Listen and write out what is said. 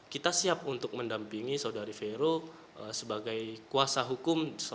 kita siap untuk mendampingi saudari vero sebagai kuasa hukum